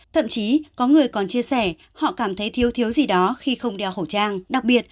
thậm chí có người còn chia sẻ họ cảm thấy thiếu thiếu gì đó khi không đeo khẩu trang đặc biệt